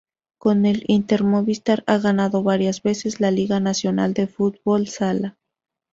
Con el Inter Movistar ha ganado varias veces la Liga Nacional de Fútbol Sala.